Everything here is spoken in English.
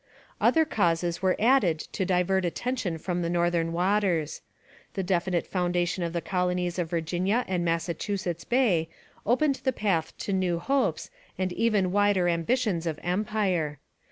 Other causes were added to divert attention from the northern waters. The definite foundation of the colonies of Virginia and Massachusetts Bay opened the path to new hopes and even wider ambitions of Empire.